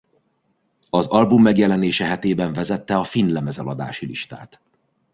Az album megjelenése hetében vezette a finn lemezeladási listát.